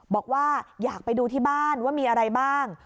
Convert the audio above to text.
บอกว่าอยากไปดูที่บ้านว่ามีอะไรบ้าง